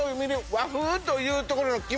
和風というところの決まり方。